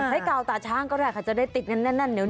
ให้กาวตาช่างก็ได้ค่ะจะได้ติดนั่นเนียว